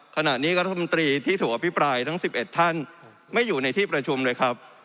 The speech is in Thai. ขณะนี้รัฐมนตรีที่ถูกอภิปรายทั้ง๑๑ท่านไม่อยู่ในที่ประชุมเลยครับ